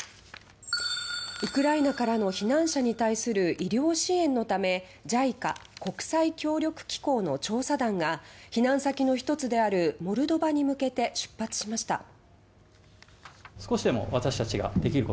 ウクライナからの避難者に対する医療支援のためＪＩＣＡ・国際協力機構の調査団が避難先の１つであるモルドバに向けて出発しました。